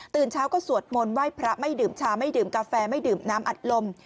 เช้าก็สวดมนต์ไหว้พระไม่ดื่มชาไม่ดื่มกาแฟไม่ดื่มน้ำอัดลม